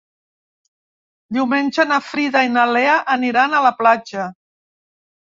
Diumenge na Frida i na Lea aniran a la platja.